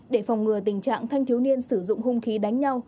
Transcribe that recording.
để phòng ngừa tình trạng thanh thiếu niên sử dụng hung khí đánh nhau